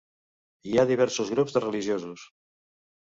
Hi ha diversos grups de religiosos.